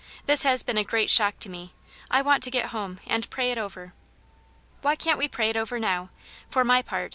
This has been a great shock to me ; I want to get home and pray it over." *' Why can't we pray it over now } For my part